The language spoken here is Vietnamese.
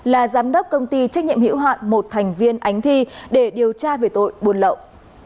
là giám đốc công ty trách nhiệm hiểu hạn một thành viên ánh thi để điều tra về tội buôn lậu